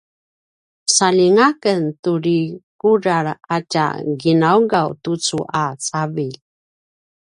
saljinga aken turi kudral a tja ginaugaw tucu a cavilj